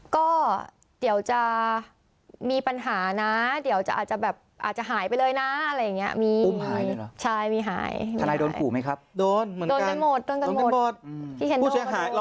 ก็เดี๋ยวจะมีปัญหานะเดี๋ยวจะอาจจะหายไปเลยนะ